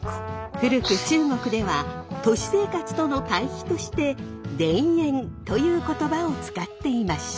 古く中国では都市生活との対比として「田園」という言葉を使っていました。